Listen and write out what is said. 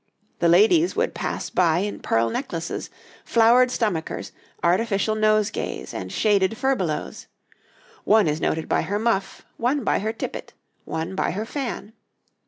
The ladies would pass by in pearl necklaces, flowered stomachers, artificial nosegays, and shaded furbelows: one is noted by her muff, one by her tippet, one by her fan.